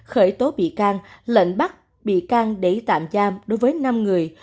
khởi tố bị can lệnh bắt bị can để tạm giam đối với năm người